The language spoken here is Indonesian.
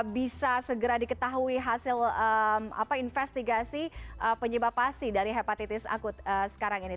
bisa segera diketahui hasil investigasi penyebab pasti dari hepatitis akut sekarang ini